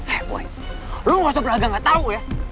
eh boy lo gak usah berlagak gak tau ya